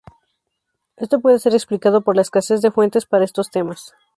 Esto puede ser explicado por la escasez de fuentes para estos temas.